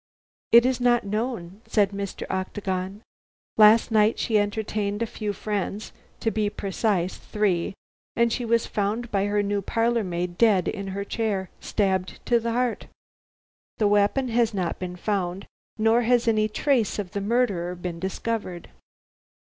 "It is not known," said Mr. Octagon. "Last night she entertained a few friends to be precise, three, and she was found by her new parlor maid dead in her chair, stabbed to the heart. The weapon has not been found, nor has any trace of the murderer been discovered."